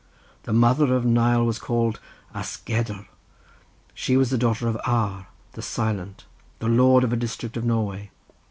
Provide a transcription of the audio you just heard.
The mother of Nial was called Asgerdr; she was the daughter of Ar, the Silent, the Lord of a district in Norway.